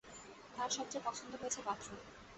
তার সবচেয়ে পছন্দ হয়েছে বাথরুম।